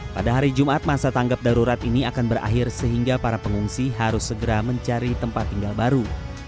pada hari jumat masa tanggap darurat ini akan berakhir sehingga para pengungsi harus segera mencari tempat tinggal baru